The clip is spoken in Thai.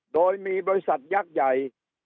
โดยมีบริษัทยักษ์ใหญ่